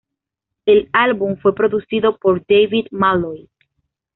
El álbum fue producido por David Malloy.